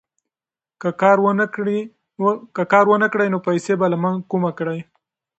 که کار ونه کړې، نو پیسې به له کومه کړې؟